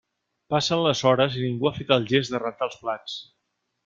Passen les hores i ningú ha fet el gest de rentar els plats.